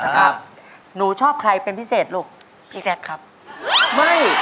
ครับหนูชอบใครเป็นพิเศษลูกพี่แซคครับไม่